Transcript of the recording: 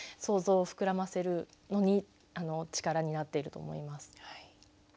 想像を膨らませるのに力になっていると思います。